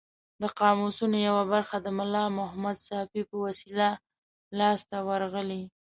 د قاموسونو یوه برخه د ملا محمد ساپي په وسیله لاس ته ورغلې.